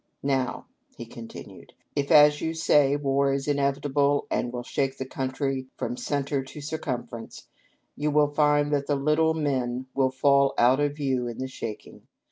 Now," he continued, " if, as you say, war is inevitable and will shake the country from centre to circumference, you will find that the little men will fall out of view in the shaking.